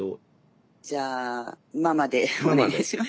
じゃあママでお願いします。